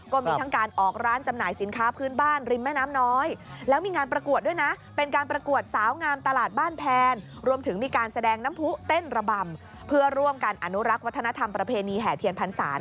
ก็มีทั้งการออกร้านจำหน่ายสินค้าพื้นบ้านริมแม่น้ำน้อย